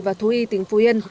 và thú y tỉnh phú yên